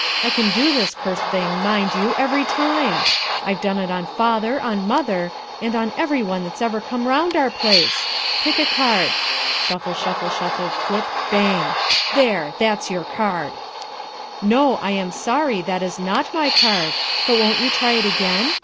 I can do this cursed thing, mind you, every time. I've done it on father, on mother, and on every one that's ever come round our place. Pick a card. (Shuffle, shuffle, shuffle flip, bang.) There, that's your card." "NO. I AM SORRY. THAT IS NOT MY CARD. But won't you try it again?